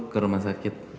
ke rumah sakit